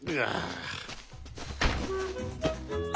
ああ。